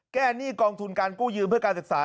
หนี้กองทุนการกู้ยืมเพื่อการศึกษา